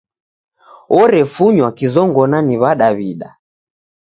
Orefunywa kizongona ni W'adaw'ida.